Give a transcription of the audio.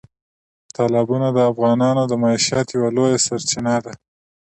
تالابونه د افغانانو د معیشت یوه لویه سرچینه ده.